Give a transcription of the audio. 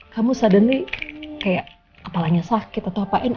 kamu suddenly kayak apalagi sakit atau apain